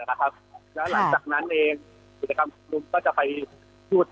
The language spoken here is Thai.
แล้วหลังจากนั้นเองอุตสกรรมก็จะไปหยุด